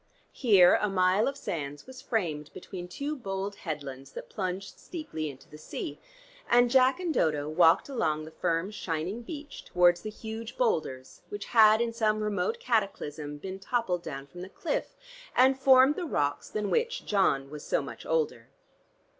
Here a mile of sands was framed between two bold headlands that plunged steeply into the sea, and Jack and Dodo walked along the firm, shining beach towards the huge boulders which had in some remote cataclysm been toppled down from the cliff, and formed the rocks than which John was so much older.